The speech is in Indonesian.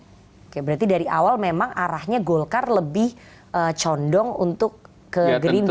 oke berarti dari awal memang arahnya golkar lebih condong untuk ke gerindra